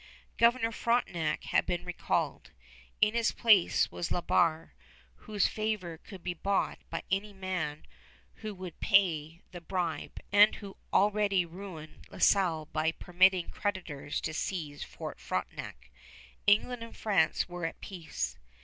Governor Frontenac had been recalled. In his place was La Barre, whose favor could be bought by any man who would pay the bribe, and who had already ruined La Salle by permitting creditors to seize Fort Frontenac. England and France were at peace.